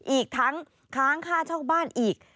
อีกทั้งค้างค่าเช่าบ้านอีก